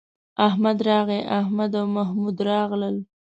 احمد راغی، احمد او محمود راغلل